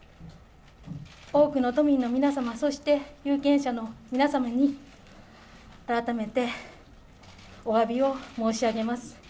多くの都民の皆様、そして有権者の皆様に改めておわびを申し上げます。